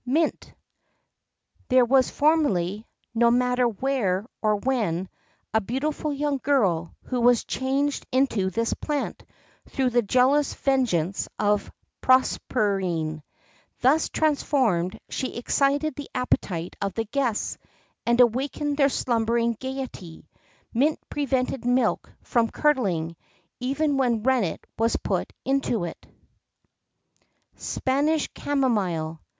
[X 40] MINT. There was formerly no matter where or when a beautiful young girl, who was changed into this plant through the jealous vengeance of Proserpine.[X 41] Thus transformed, she excited the appetite of the guests, and awakened their slumbering gaiety.[X 42] Mint prevented milk from curdling, even when rennet was put into it.[X 43] SPANISH CAMOMILE.